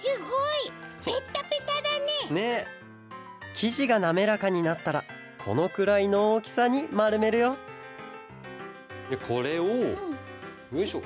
きじがなめらかになったらこのくらいのおおきさにまるめるよこれをよいしょ。